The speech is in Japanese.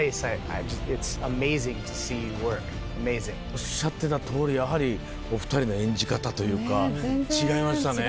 おっしゃってた通りやはりお２人の演じ方というか違いましたね。